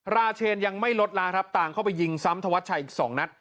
ราเชนยังไม่ลดล้างครับตามเข้าไปยิงซ้ำธวัชชัยอีก๒นัด